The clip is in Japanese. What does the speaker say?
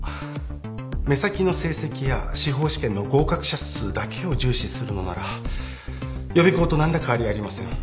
目先の成績や司法試験の合格者数だけを重視するのなら予備校と何ら変わりありません